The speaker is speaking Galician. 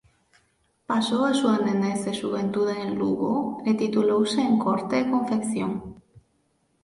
Pasou a súa nenez e xuventude en Lugo e titulouse en Corte e Confección.